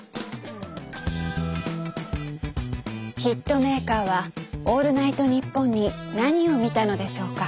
ヒットメーカーは「オールナイトニッポン」に何を見たのでしょうか？